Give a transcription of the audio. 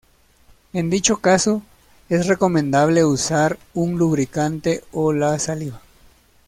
En dicho caso, es recomendable usar un lubricante o la saliva.